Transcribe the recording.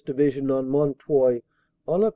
Division on Mount Houy on Oct.